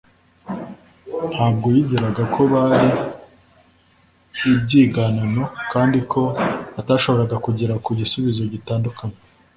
Ntabwo yizeraga ko bari ibyiganano kandi ko batashoboraga kugera ku gisubizo gitandukanye